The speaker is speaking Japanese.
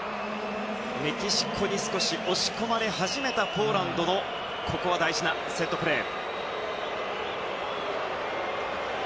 メキシコに少し押し込まれ始めたポーランドのここは大事なセットプレー。